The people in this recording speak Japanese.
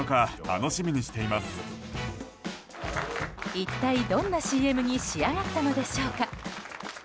一体どんなＣＭに仕上がったのでしょうか。